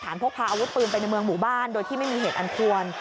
พกพาอาวุธปืนไปในเมืองหมู่บ้านโดยที่ไม่มีเหตุอันควร